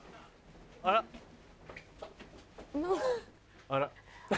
あら。